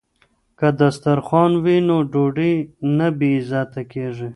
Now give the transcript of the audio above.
که دسترخوان وي نو ډوډۍ نه بې عزته کیږي.